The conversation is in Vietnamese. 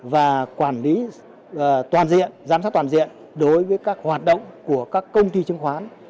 và quản lý toàn diện giám sát toàn diện đối với các hoạt động của các công ty chứng khoán